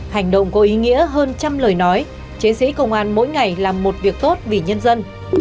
hành động có ý nghĩa hơn trăm lời nói chiến sĩ công an mỗi ngày làm một việc tốt vì nhân dân